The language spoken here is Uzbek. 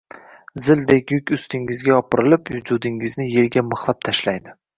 Zildek yuk ustingizga yopirilib, vujudingizni yerga mixlab tashlaydi.